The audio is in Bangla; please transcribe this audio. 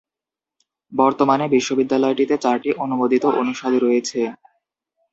বর্তমানে বিশ্ববিদ্যালয়টিতে চারটি অনুমোদিত অনুষদ রয়েছে।